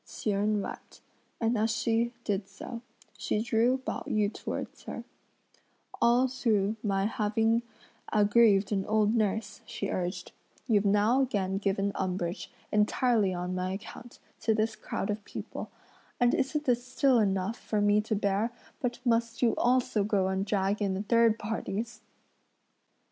Hsi Jen wept, and as she, did so, she drew Pao yü towards her: "All through my having aggrieved an old nurse," she urged, "you've now again given umbrage, entirely on my account, to this crowd of people; and isn't this still enough for me to bear but must you also go and drag in third parties?"